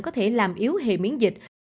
có thể làm yếu hệ miễn dịch